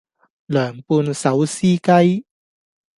涼拌手撕雞